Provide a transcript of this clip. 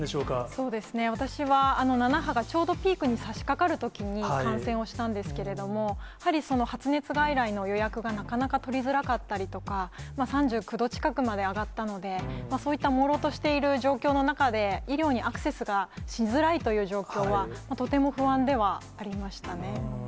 そうですね、私は７波がちょうどピークにさしかかるときに感染をしたんですけれども、発熱外来の予約がなかなか取りづらかったりとか、３９度近くまで上がったので、そういったもうろうとしている状況の中で、医療にアクセスがしづらいという状況は、とても不安ではありましたね。